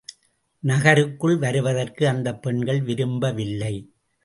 நகருக்குள் வருவதற்கு அந்தப் பெண்கள் விரும்பவில்லை.